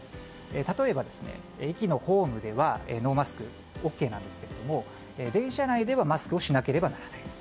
例えば、駅のホームではノーマスクＯＫですが電車内ではマスクをしなければならない。